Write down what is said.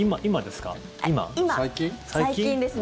今、最近ですね。